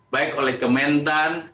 baik oleh kementan